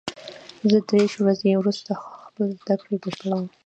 زه دېرش ورځې وروسته خپله زده کړه بشپړوم.